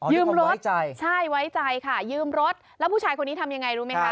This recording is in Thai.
รถใช่ไว้ใจค่ะยืมรถแล้วผู้ชายคนนี้ทำยังไงรู้ไหมคะ